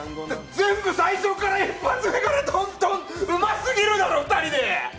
全部最初から一発、ドンドンうますぎるだよ、２人で。